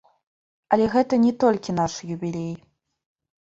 Але гэта не толькі наш юбілей.